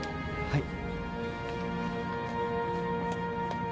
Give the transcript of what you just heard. はい。